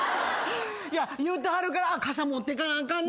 いや言うてはるから傘持ってかなあかんな。